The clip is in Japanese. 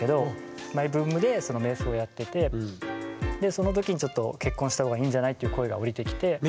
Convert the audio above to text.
その時にちょっと「結婚したほうがいいんじゃない？」っていう声が降りてきて。